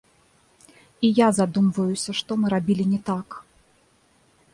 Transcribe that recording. І я задумваюся, што мы рабілі не так.